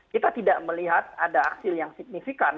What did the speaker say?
kita tidak melihat ada aksi yang signifikan